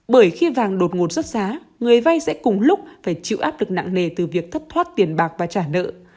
bởi khi vàng đột ngột xuất giá người vay sẽ cùng lúc phải chịu áp lực nặng nề từ việc thất thoát tiền bạc và trả nợ